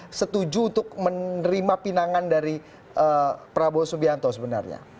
anda setuju untuk menerima pinangan dari prabowo subianto sebenarnya